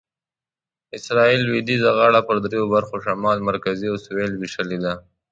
اسرایل لویدیځه غاړه په دریو برخو شمال، مرکزي او سویل وېشلې ده.